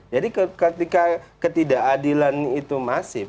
jadi ketika ketidakadilan itu masif